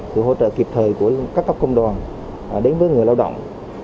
sự hỗ trợ kịp thời của các cấp công đoàn đến với người lao động